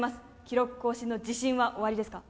記録更新の自信はおありですか？